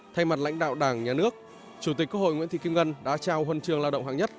theo đảng nhà nước chủ tịch quốc hội nguyễn thị kim ngân đã trao huân trường lao động hạng nhất